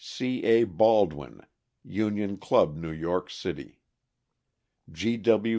C. A. Baldwin, Union Club, New York City; G» W.